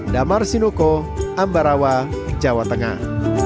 damar sinuko ambarawa jawa tengah